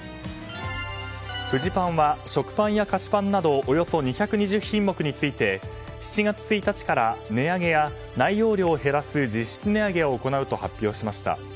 フジパンは食パンや菓子パンなどおよそ２２０品目について７月１日から値上げや内容量を減らす実質値上げを行うと発表しました。